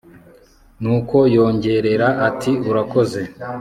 nuko yongorera ati urakoze